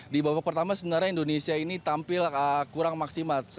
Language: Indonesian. di babak pertama sebenarnya indonesia ini tampil kurang maksimal